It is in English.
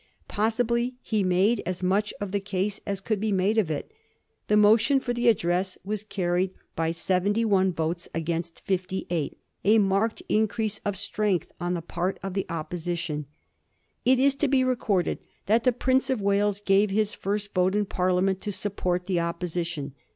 Possibly he made as much of the case as could be made of it. The motion for the address was carried 1789. THK PRINCESS FIRST VOTE. 169 by seventy one votes against fifty eight — a marked in crease of strength on the part of the Opposition. It is to be recorded that the Prince of Wales gave his first vote in Parliament to support the Opposition.